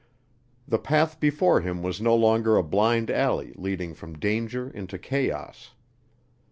The path before him was no longer a blind alley leading from danger into chaos.